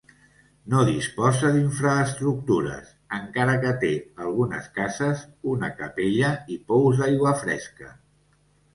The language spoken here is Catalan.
No disposa d'infraestructures, encara que té algunes cases, una capella i pous d'aigua fresca.